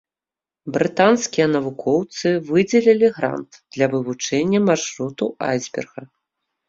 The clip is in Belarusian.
Брытанскія навукоўцы выдзелілі грант для вывучэння маршруту айсберга.